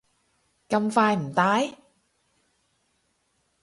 咁快唔戴？